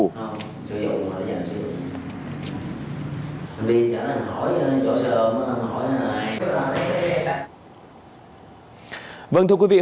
vâng thưa quý vị hôm nay là ngày lập tức